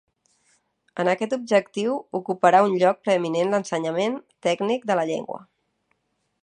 En aquest objectiu ocuparà un lloc preeminent l'ensenyament tècnic de la llengua.